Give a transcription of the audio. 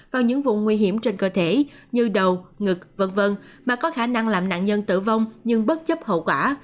vào những vùng nguy hiểm trên cơ thể như đầu ngực v v mà có khả năng làm nạn nhân tử vong nhưng bất chấp hậu quả